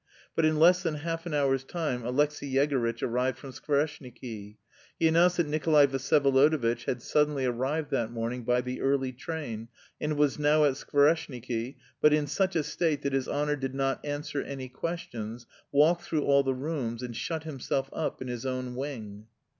But in less than half an hour's time Alexey Yegorytch arrived from Skvoreshniki. He announced that Nikolay Vsyevolodovitch had suddenly arrived that morning by the early train, and was now at Skvoreshniki but "in such a state that his honour did not answer any questions, walked through all the rooms and shut himself up in his own wing...."